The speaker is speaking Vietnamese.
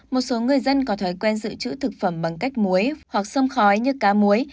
một số người dân có thói quen dự trữ thực phẩm bằng cách muối hoặc sông khói như cá muối